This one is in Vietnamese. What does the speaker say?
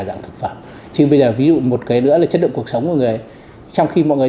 dạng thực phẩm chứ bây giờ ví dụ một cái nữa là chất lượng cuộc sống của người trong khi mọi người